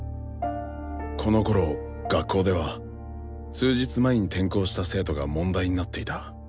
このころ学校では数日前に転校した生徒が問題になっていた。